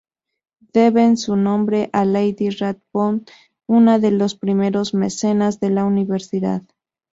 Deben su nombre a Lady Rathbone, una de los primeros mecenas de la Universidad.